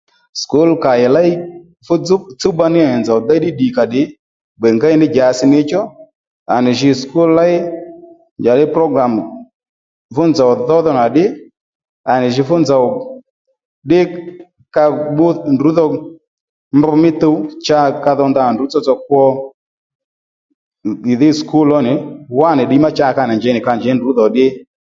Sukúl kà ì léy fú tsúwba ní nì nzòw déy ddí ddìkàddì gbè ngéy ní dyasi níchú à nì jǐ sukúl léy njàddí program fú nzòw dhó dho nà ddí à nì jǐ fú nzòw ddí ka bbú ndrǔ dho mb mí tuw cha ka dho ndanà ndrǔ tsotso kwo ì dhí sukúl ónì wánì ddiy má ka nì njěy nì ka njěy ndrǔ dhò ddí